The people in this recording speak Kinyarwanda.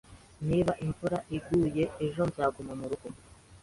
Niba imvura iguye ejo, nzaguma murugo.